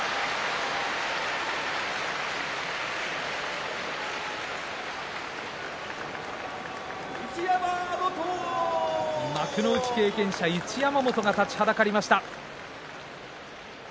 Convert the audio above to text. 拍手幕内経験者、一山本が立ちはだかりました。